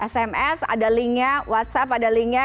sms ada linknya whatsapp ada linknya